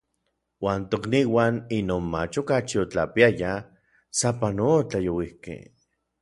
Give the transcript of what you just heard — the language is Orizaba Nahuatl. Uan tokniuan inon mach okachi otlapiayaj, sapanoa otlajyouikej.